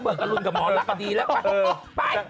เบิกอรุณกับหมอลักษณ์ก็ดีแล้วไปไป